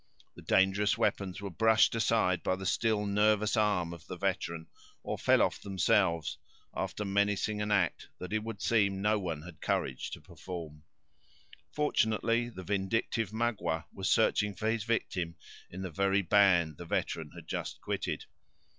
The dangerous weapons were brushed aside by the still nervous arm of the veteran, or fell of themselves, after menacing an act that it would seem no one had courage to perform. Fortunately, the vindictive Magua was searching for his victim in the very band the veteran had just quitted.